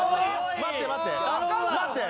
待って待って。